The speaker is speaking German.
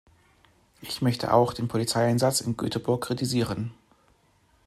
Ich möchte auch den Polizeieinsatz in Göteborg kritisieren.